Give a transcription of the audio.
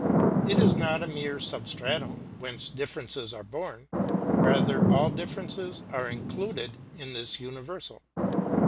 It is not a mere substratum whence differences are born; rather, all differences are included in this universal.